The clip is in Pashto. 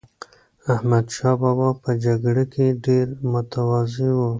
احمدشاه بابا په جګړه کې ډېر متواضع و.